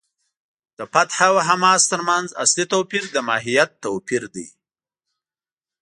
د فتح او حماس تر منځ اصلي توپیر د ماهیت توپیر دی.